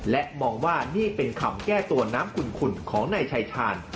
และมองว่านี่เป็นคำแก้ตัวน้ำขุ่นของนายชายชาญ